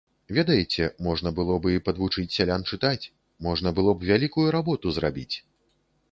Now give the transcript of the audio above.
Ведаеце, можна было б і падвучыць сялян чытаць, можна было б вялікую работу зрабіць.